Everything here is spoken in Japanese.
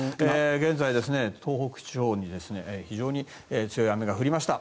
現在、東北地方に非常に強い雨が降りました。